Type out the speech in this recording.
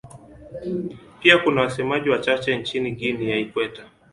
Pia kuna wasemaji wachache nchini Guinea ya Ikweta.